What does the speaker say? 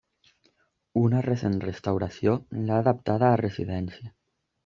Una recent restauració l'ha adaptada a residència.